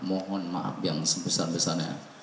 mohon maaf yang sebesar besarnya